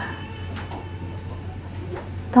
kekuatan yang baik